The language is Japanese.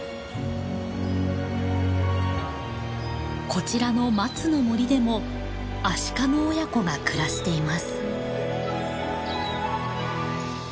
こちらのマツの森でもアシカの親子が暮らしています。